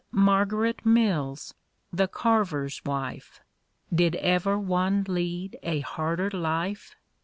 \larL; aret Mills, the carver's wife, ‚Ė† Did ever one lead a harder life